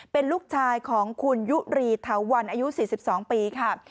เป็นลูกชายของคุณยุรีเถาวันอายุ๔๒ปีค่ะ